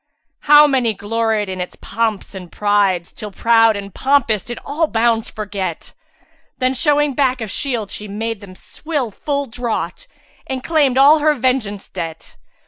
How many gloried in its pomps and pride, * Till proud and pompous did all bounds forget, Then showing back of shield she made them swill[FN#372] * Full draught, and claimed all her vengeance debt.